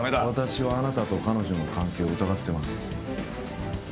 私はあなたと彼女の関係を疑ってます